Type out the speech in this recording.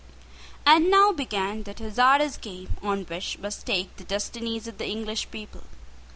And now began that hazardous game on which were staked the destinies of the English people.